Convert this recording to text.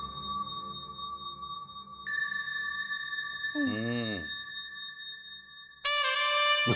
うん。